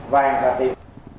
vàng và tiền